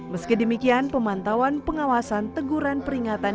meski demikian pemantauan pengawasan teguran peringatan